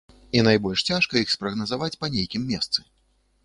І найбольш цяжка іх спрагназаваць па нейкім месцы.